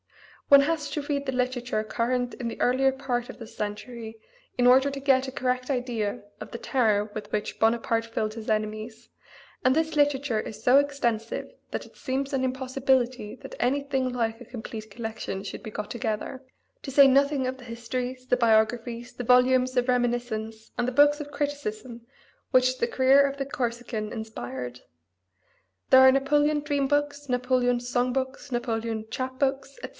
One has to read the literature current in the earlier part of this century in order to get a correct idea of the terror with which Bonaparte filled his enemies, and this literature is so extensive that it seems an impossibility that anything like a complete collection should be got together; to say nothing of the histories, the biographies, the volumes of reminiscence and the books of criticism which the career of the Corsican inspired, there are Napoleon dream books, Napoleon song books, Napoleon chap books, etc.